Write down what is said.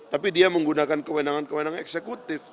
tapi dia menggunakan kewenangan kewenangan eksekutif